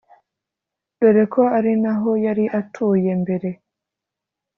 dore ko ari naho yari atuye mbere